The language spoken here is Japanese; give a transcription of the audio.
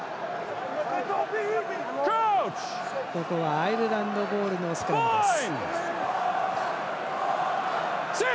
アイルランドボールのスクラムです。